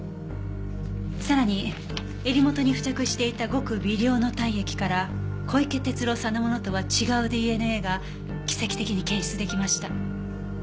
さらに襟元に付着していたごく微量の体液から小池鉄郎さんのものとは違うＤＮＡが奇跡的に検出できました。